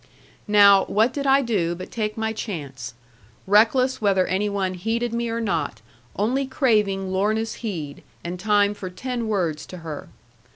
Now, what did I do but take my chance; reckless whether any one heeded me or not, only craving Lorna's heed, and time for ten words to her.